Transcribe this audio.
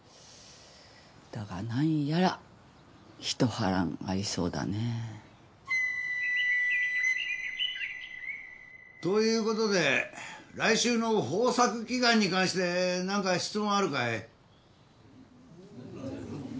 だが何やら一波乱ありそうだね。ということで来週の豊作祈願に関して何か質問あるかい？